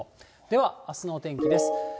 では、あすのお天気です。